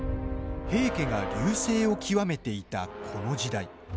平家が隆盛を極めていたこの時代。